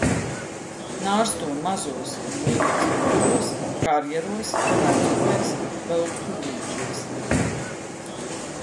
Nārsto mazos un lielos dīķos, karjeros, vecupēs vai upju līčos.